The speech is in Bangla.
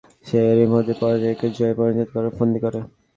সে এরই মধ্যে পরাজয়কে জয়ে পরিণত করার ফন্দী করে।